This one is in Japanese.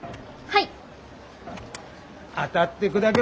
はい。